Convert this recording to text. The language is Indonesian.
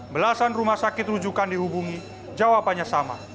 belasan rumah sakit rujukan dihubungi jawabannya sama